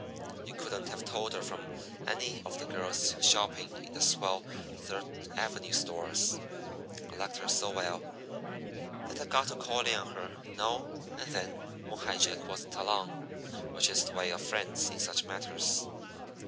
You couldn't have told her from any of the girls shopping in the swell Third Avenue stores. I liked her so well that I got to calling on her now and then when High Jack wasn't along, which is the way of friends in such matters.